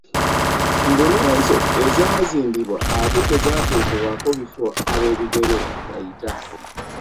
Mbu n'ezo ezaazimbibwa ate tezaatekebwako bifo ab'ebigere we bayita